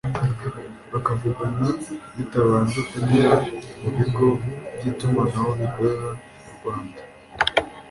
bakavugana bitabanje kunyura mu bigo by’itumanaho bikorera mu Rwanda